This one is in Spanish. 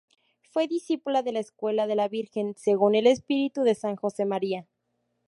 Fue discípula de la escuela de la Virgen, según el espíritu de San Josemaría.